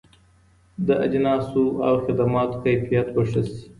د اجناسو او خدماتو کيفيت به ښه سي.